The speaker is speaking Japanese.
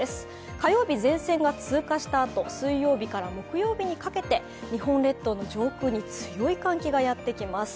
火曜日、前線が通過したあと水曜日から木曜日にかけて、日本列島の上空に強い寒気がやってきます。